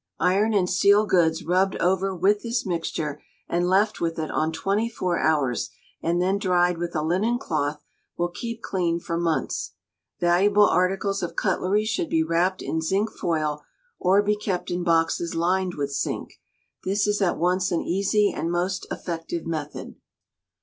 Iron and steel goods, rubbed over with this mixture, and left with it on twenty four hours, and then dried with a linen cloth, will keep clean for months. Valuable articles of cutlery should be wrapped in zinc foil, or be kept in boxes lined with zinc. This is at once an easy and most effective method. 416.